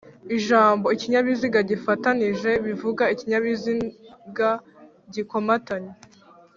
Ijambo "ikinyabiziga gifatanije" bivuga ikinyabiziga gikomatanye